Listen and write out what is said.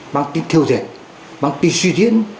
mang tính theo dệt mang tính suy diễn